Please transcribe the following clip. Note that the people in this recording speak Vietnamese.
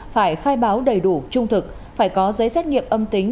phải khai báo đầy đủ trung thực phải có giấy xét nghiệm âm tính